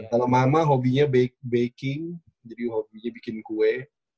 kalau mama hobinya baking jadi hobinya bikin kue